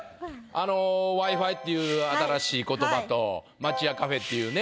あの「Ｗｉ−Ｆｉ」っていう新しい言葉と「町屋カフェ」っていうね